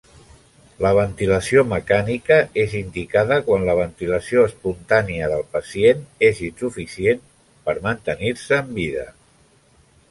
La ventilació mecànica és indicada quan la ventilació espontània del pacient és insuficient per mantenir-se en vida.